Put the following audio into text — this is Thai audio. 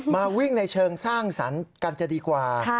มาวิ่งในเชิงสร้างสรรค์กันจะดีกว่า